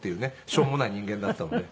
しょうもない人間だったので。